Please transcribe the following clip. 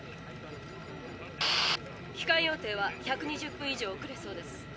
「帰かん予定は１２０分以上おくれそうです」。